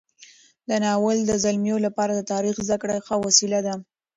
دا ناول د زلمیو لپاره د تاریخ زده کړې ښه وسیله ده.